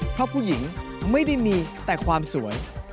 เพราะผู้หญิงไม่ได้มีแต่ความสวย